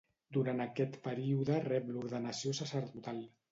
Durant aquest període rep l'ordenació sacerdotal.